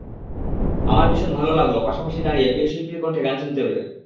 আমার ভীষণ ভালো লাগল পাশাপাশি দাঁড়িয়ে প্রিয় শিল্পীর কণ্ঠে গান শুনতে পেরে।